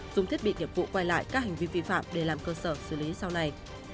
dùng thiết bị nghiệp vụ quay lại các hành vi vi phạm để làm cơ sở xử lý sau này